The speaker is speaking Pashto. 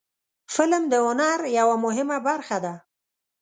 فلم د هنر یوه مهمه برخه ده